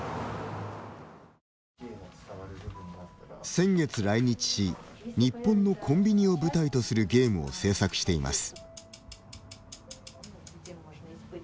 先月来日し日本のコンビニを舞台とするゲームを制作しています。